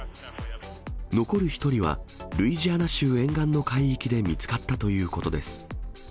残る１人は、ルイジアナ州沿岸の海域で見つかったということです。